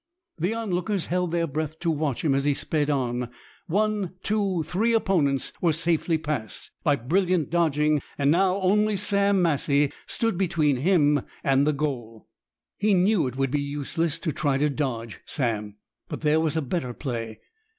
The onlookers held their breath to watch him as he sped on. One, two, three opponents were safely passed! by brilliant dodging, and now only Sam Massie stood between him and the goal. He knew it would be useless to try to dodge Sam. But there was a better play.